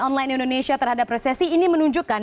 online indonesia terhadap resesi ini menunjukkan